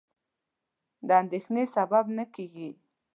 د اندېښنې سبب نه کېږي.